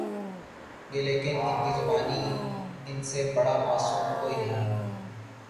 گے لیکن ان کی زبانی ان سے بڑا معصوم کوئی نہیں۔